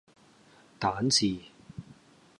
蛋治